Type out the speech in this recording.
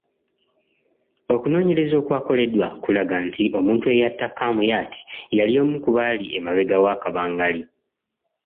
Okunoonyereza okwakoleddwa kulaga nti omuntu eyatta Kamuyat yali omu ku baali emabega wa kabangali.